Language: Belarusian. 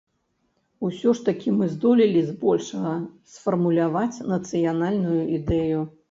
Усё ж такі мы здолелі, збольшага, сфармуляваць нацыянальную ідэю.